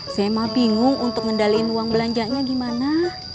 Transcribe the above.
saya mah bingung untuk ngendalikan uang belanjanya gimana